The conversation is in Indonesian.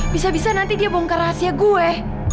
bisa bisa nanti dia bongkar rahasia gue